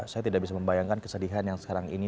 saya tidak bisa membayangkan kesedihan yang sekarang ini